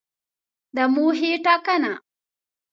د موخې ټاکنه